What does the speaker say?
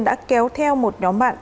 đã kéo theo một nhóm bạn